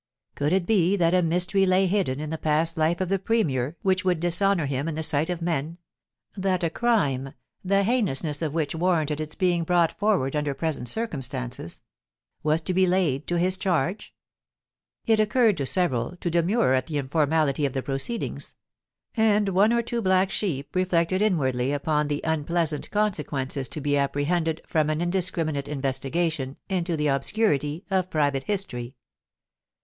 Could it be that a mystery lay hidden in the past life of the Premier which would dishonour him in the sight of men — that a crime, the heinousness of which warranted its being brought forw'ard under present circumstances — was to be laid to his charge ? It occurred to several to demur at the informality of the proceedings ; and one or two black sheep reflected inwardly upon the unpleasant consequences to be apprehended from an indiscriminate investigation into the obscurity of private history.